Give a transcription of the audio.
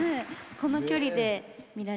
この距離で見られるなんて。